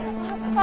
あ！